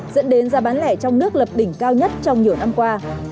dẫn đến giá bán lẻ trong nước lập đỉnh cao nhất trong nhiều năm qua